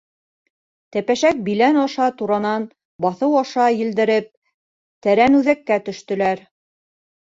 Тәпәшәк билән аша туранан, баҫыу аша елдереп, Тәрәнүҙәккә төштөләр.